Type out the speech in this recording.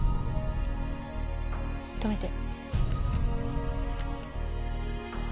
止めて。